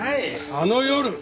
あの夜！